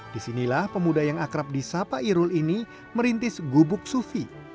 disinilah pemuda yang akrab di sapa irul ini merintis gubuk sufi